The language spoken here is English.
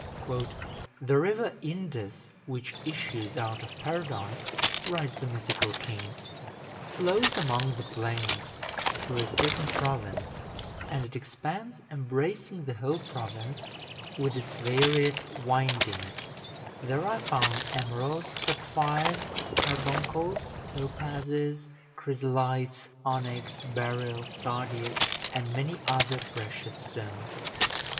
"The River Indus, which issues out of Paradise," writes the mythical king, "flows among the plains, through a certain province, and it expands, embracing the whole province with its various windings: there are found emeralds, sapphires, carbuncles, topazes, chrysolites, onyx, beryl, sardius, and many other precious stones.